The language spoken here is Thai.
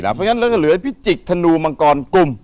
เพราะฉะนั้นเราจะเหลือพิจิกธนูมังกรกลุ่ม